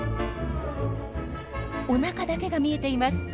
おなかだけが見えています。